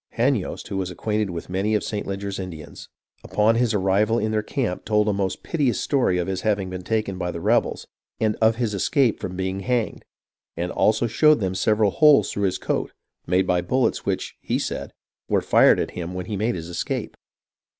Hanyost, who was acquainted with many of St. Leger's Indians, upon his arrival in their camp told a most piteous story of his hav ing been taken by the rebels, and of his escape from being IN THE MOHAWK VALLEY 20I hanged ; and also showed them several holes through his coat, made by bullets which, he said, were fired at him when he made his escape.